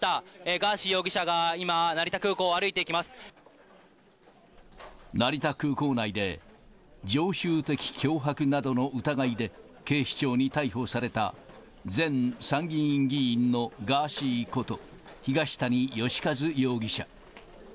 ガーシー容疑者が今、成田空港を成田空港内で、常習的脅迫などの疑いで、警視庁に逮捕された前参議院議員のガーシーこと、東谷義和容疑者。